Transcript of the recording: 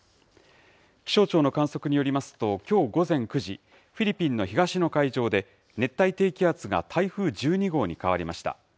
気象庁の観測によりますと、きょう午前９時、フィリピンの東の海上で、熱帯低気圧が台風１２号に変わりました。